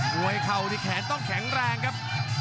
เข่าที่แขนต้องแข็งแรงครับ